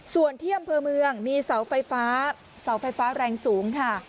ส่วนเที่ยมเผอร์เมืองมีเสาไฟฟ้าแรงสูงค่ะ